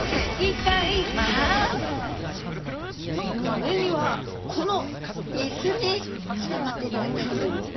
それにはこのイスにちょっと乗っていただきたいと思います。